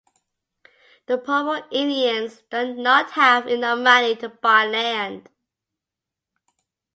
The Pomo Indians did not have enough money to buy land.